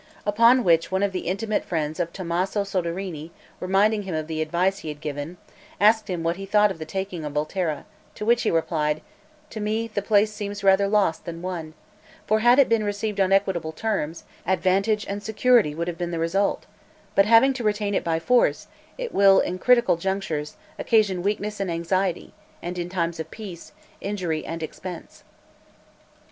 Upon which one of the intimate friends of Tommaso Soderini, reminding him of the advice he had given, asked him what he thought of the taking of Volterra; to which he replied, "To me the place seems rather lost than won; for had it been received on equitable terms, advantage and security would have been the result; but having to retain it by force it will in critical junctures, occasion weakness and anxiety, and in times of peace, injury and expense."